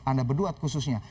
anda berdua khususnya